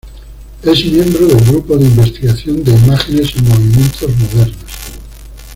Es miembro del Grupo de Investigación de Imágenes en Movimiento Modernas.